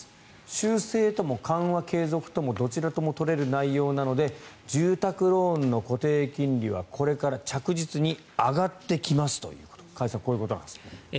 修正とも緩和継続ともどちらとも取れる内容なので住宅ローンの固定金利はこれから着実に上がってきますと加谷さんこういうことなんですね。